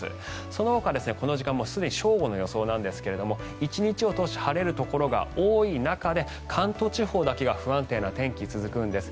そのほか、この時間すでに正午の予想なんですが１日を通して晴れるところが多い中で関東地方だけが不安定な天気が続くんです。